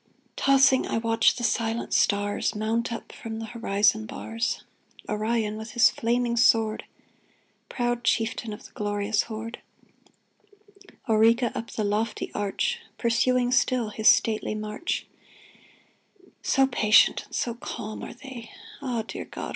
Tossing, I watch the sijent stars Mount up from the horizon bars : Orion with his flaming sword, Proud chieftain of the glorious horde ; Auriga up the lofty arch Pursuing still his stately march — So patient and so calm are they. Ah, dear God